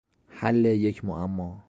حل یک معما